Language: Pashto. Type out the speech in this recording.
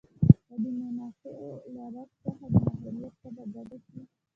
که د منافعو له رګ څخه د محرومیت تبه کډه شي.